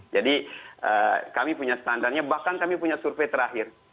jadi kami punya standarnya bahkan kami punya survei terakhir